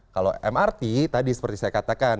kalau mrt tadi seperti saya katakan